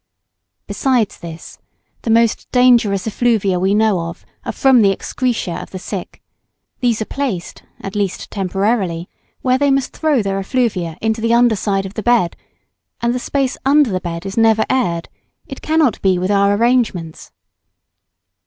Besides this, the most dangerous effluvia we know of are from the excreta of the sick these are placed, at least temporarily, where they must throw their effluvia into the under side of the bed, and the space under the bed is never aired; it cannot be, with our arrangements.